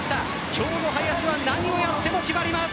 今日の林は何をやっても決まります。